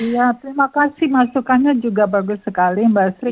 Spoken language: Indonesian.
ya terima kasih masukannya juga bagus sekali mbak sri